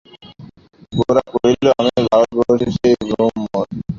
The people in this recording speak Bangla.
গোরা কহিল, আমি ভারতবর্ষের সেই ব্রাহ্মণ।